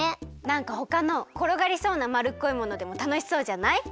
なんかほかのころがりそうなまるっこいものでもたのしそうじゃない？